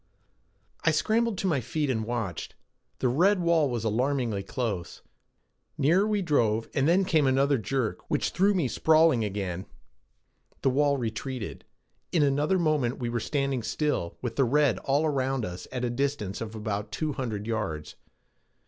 I scrambled to my feet and watched. The red wall was alarmingly close. Nearer we drove and then came another jerk which threw me sprawling again. The wall retreated. In another moment we were standing still, with the red all around us at a distance of about two hundred yards.